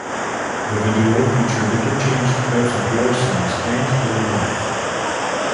The video featured interchanged clips of war scenes and daily life.